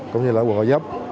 cũng như là quận hòa giáp